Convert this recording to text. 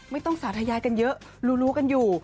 ไม่ต้องสาธาญายกันเยอะรู้กันอยู่